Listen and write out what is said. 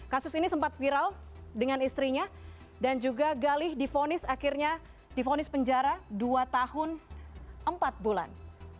kasus ini sempat viral dengan istrinya dan juga galih difonis akhirnya difonis penjara dua tahun empat bulan